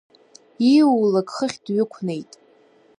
Ииулак хыхь дҩықәнеит.